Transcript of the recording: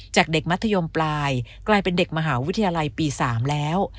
จากเด็กมัธยมปลายกลายเป็นเด็กมหาวิทยาลัยปี๓แล้ว